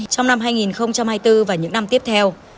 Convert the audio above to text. trong năm hai nghìn hai mươi bốn và những năm tiếp theo